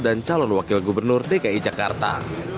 dan calon wakil gubernur dki jakarta